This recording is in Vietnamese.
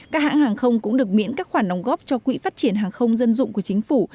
các hãng hàng không cũng được miễn các khoản đóng góp cho quỹ phát triển hàng không dân dụng của chính phủ